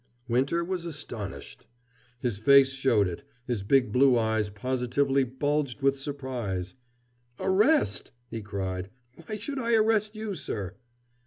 Winter was astonished. His face showed it; his big blue eyes positively bulged with surprise. "Arrest!" he cried. "Why should I arrest you, sir?"